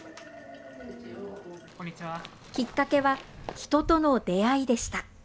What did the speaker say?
きっかけは、人との出会いでした。